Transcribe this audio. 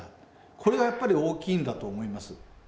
これがやっぱり大きいんだと思います。